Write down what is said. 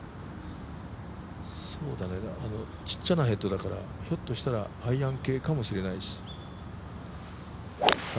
小さなヘッドだから、ひょっとしたらアイアン系かもしれないし。